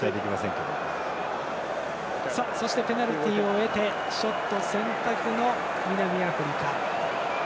ペナルティを得てショット選択の南アフリカ。